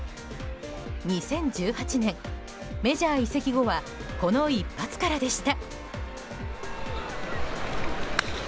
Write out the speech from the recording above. ２０１８年、メジャー移籍後はこの一発からでした。